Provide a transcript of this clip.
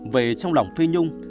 vì trong lòng phi nhung